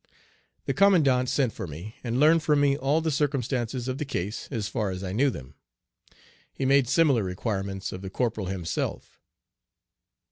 The commandant sent for me, and learned from me all the circumstances of the case as far as I knew them. He made similar requirements of the corporal himself.